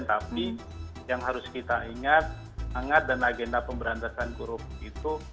tapi yang harus kita ingat hangat dan agenda pemberantasan korupsi itu